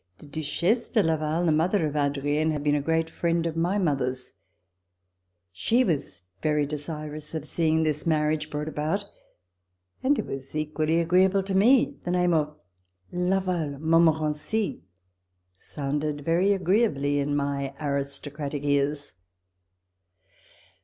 The Duchesse de Laval, the mother of Adrien, had been a great friend of my mother's. She was very desirous of seeing this mar riage brought about, and it was equally agreeable to me. The name of Laval Montmorency sounded very agreeably in my aristocratic ears.